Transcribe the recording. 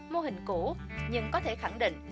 mô hình cũ nhưng có thể khẳng định